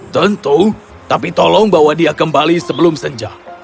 tentu tapi tolong bawa dia kembali sebelum senja